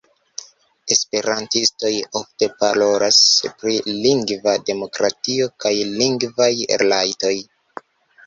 Esperantistoj ofte parolas pri lingva demokratio kaj lingvaj rajtoj.